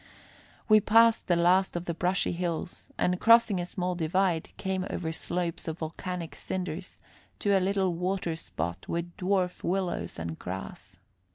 We passed the last of the brushy hills, and, crossing a small divide, came over slopes of volcanic cinders to a little water spot with dwarf willows and grass.